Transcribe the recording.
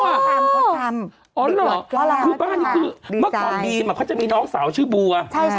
เขาทำอ๋อเหรอทุกบ้านนี้คือเมื่อก่อนบีมเขาจะมีน้องสาวชื่อบัว